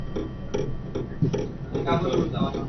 তাদের দুঃখ, জিহাদের ক্ষেত্রে তাঁরা তাঁদের আশায় পৌঁছতে পারেননি।